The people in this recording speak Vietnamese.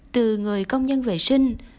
từ người công nhân viên